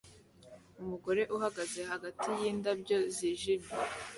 Umugore uhagaze hagati yindabyo zijimye